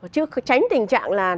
chứ tránh tình trạng là